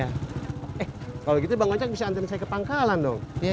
eh kalau gitu bang ocek bisa antrian saya ke pangkalan dong